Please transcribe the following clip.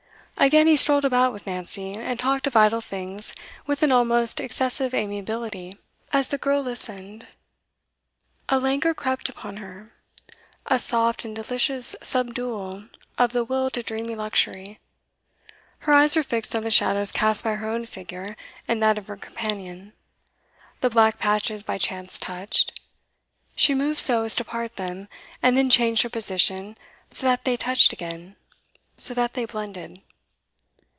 Again he strolled about with Nancy, and talked of idle things with an almost excessive amiability. As the girl listened, a languor crept upon her, a soft and delicious subdual of the will to dreamy luxury. Her eyes were fixed on the shadows cast by her own figure and that of her companion. The black patches by chance touched. She moved so as to part them, and then changed her position so that they touched again so that they blended.